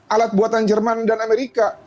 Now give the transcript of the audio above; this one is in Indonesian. alat buatan jerman dan amerika